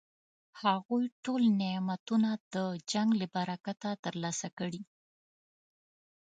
هغوی ټول نعمتونه د جنګ له برکته ترلاسه کړي.